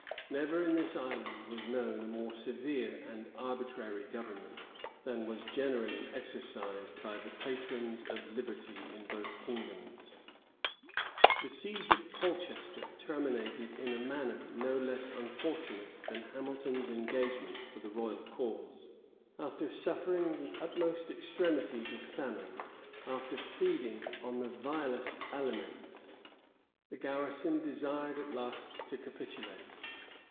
[] Never in this island was known a more severe and arbitrary government, than was generally exercised by the patrons of liberty in both kingdoms. * Whitlocke, p. 360. Guthrey. Lucas and Sir George Lisle. The siege of Colchester terminated in a manner no less unfortunate than Hamilton's engagement for the royal cause. After suffering the utmost extremities of famine, after feeding on the vilest aliments, the garrison desired at last to capitulate.